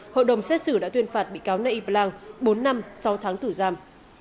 hội đồng xét xử đã tuyên phạt bị cáo ngay y blanc bốn năm sau tháng tử giam